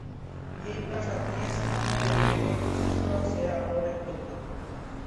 এই প্রাসাদ নিয়ে স্থানীয়দের ভিতর প্রচলিত আছে আরো অনেক গল্প।